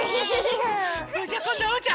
それじゃあこんどおうちゃん。